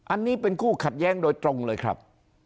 อันนี้เป็นคู่ขัดแย้งโดยตรงเลยครับ